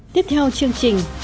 tiếp theo chương trình